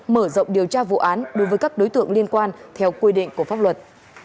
mở rộng điều tra vụ án đối với các đối tượng liên quan theo quy định của pháp luật